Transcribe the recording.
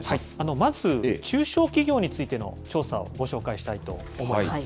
まず、中小企業についての調査をご紹介したいと思います。